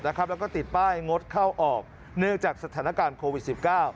แล้วก็ติดป้ายงดเข้าออกเนื่องจากสถานการณ์โควิด๑๙